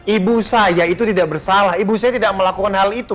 ibu saya itu tidak bersalah ibu saya tidak melakukan hal itu